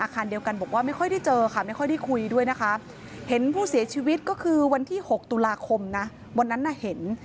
เสียชีวิตก็คือวันที่๖ตุลาคมวันนั้นเห็น